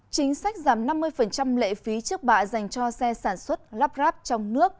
chính sách giảm năm mươi lệ phí trước bạ dành cho xe sản xuất lắp ráp trong nước